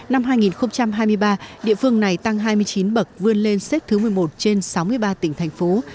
năm hai nghìn hai mươi ba địa phương này tăng hai mươi chín bậc vươn lên xếp thứ một mươi một trên sáu mươi ba tỉnh thành phố